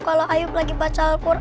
kalau ayub lagi baca al quran